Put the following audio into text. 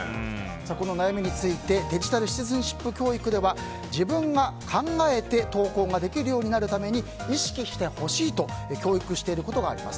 この悩みについて、デジタル・シティズンシップ教育では自分が考えて投稿ができるようになるために意識してほしいと教育していることがあります。